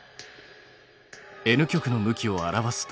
Ｎ極の向きを表すと。